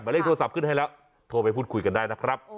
เลขโทรศัพท์ขึ้นให้แล้วโทรไปพูดคุยกันได้นะครับ